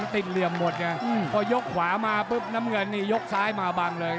เหลี่ยมหมดไงพอยกขวามาปุ๊บน้ำเงินนี่ยกซ้ายมาบังเลย